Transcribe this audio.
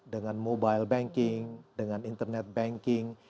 dengan mobile banking dengan internet banking